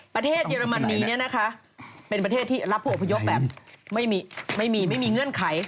เยอรมนีเนี่ยนะคะเป็นประเทศที่รับผู้อพยพแบบไม่มีไม่มีเงื่อนไข